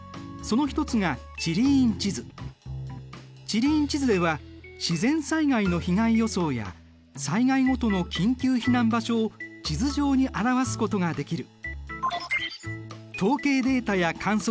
地理院地図では自然災害の被害予想や災害ごとの緊急避難場所を地図上に表すことができる。